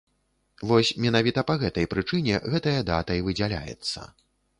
Вось менавіта па гэтай прычыне гэтая дата і выдзяляецца.